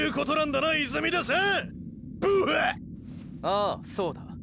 ああそうだ。